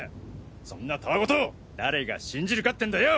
そんなたわ言誰が信じるかってんだよ